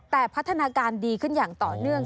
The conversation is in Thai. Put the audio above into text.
แต่พัฒนาการดีขึ้นอย่างต่อเนื่อง